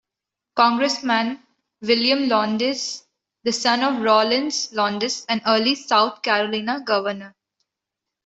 Congressman William Lowndes, the son of Rawlins Lowndes, an early South Carolina governor.